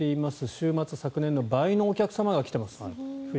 週末は昨年の倍のお客様が来ています。